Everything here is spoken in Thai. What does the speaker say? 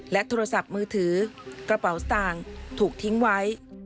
โทรศัพท์มือถือกระเป๋าสตางค์ถูกทิ้งไว้